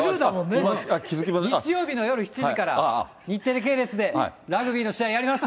日曜日の夜７時から、日テレ系列でラグビーの試合やります。